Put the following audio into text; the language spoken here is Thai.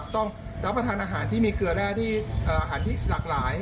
ต้องรับประทานอาหารที่มีเกลือแร่ที่อาหารที่หลากหลาย